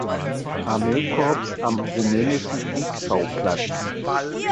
Armeekorps am rumänischen Kriegsschauplatz.